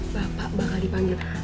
bapak bakal dipanggil